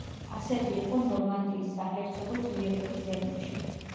ასეთი იყო ნორმანდიის საჰერცოგო ძლიერების ზენიტში.